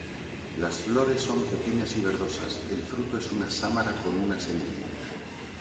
Las flores son pequeñas y verdosas, el fruto es una sámara con una semilla.